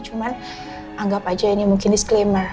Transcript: cuman anggap aja ini mungkin disclaimer